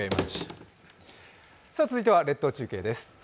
続いては列島中継です。